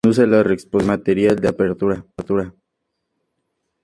Una sección de desarrollo conduce a la reexposición del material de apertura.